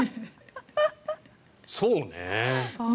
そうね。